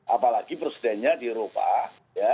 apalagi presidennya di eropa